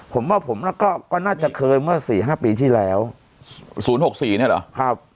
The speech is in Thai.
ผมว่าผมก็น่าจะเคยเมื่อ๔๕ปีที่แล้ว๐๖๔เนี่ยเหรอครับ